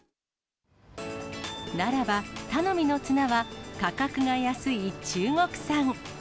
ならば、頼みの綱は、価格が安い中国産。